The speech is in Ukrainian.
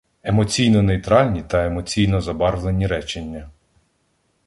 Емоційно-нейтральні та емоційно забарвлені речення